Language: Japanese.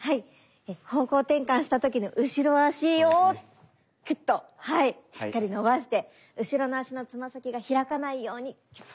方向転換した時の後ろ足をクッとしっかり伸ばして後ろの足の爪先が開かないように。